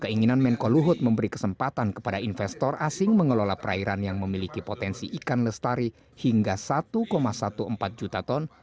keinginan menko luhut memberi kesempatan kepada investor asing mengelola perairan yang memiliki potensi ikan lestari hingga satu empat belas juta ton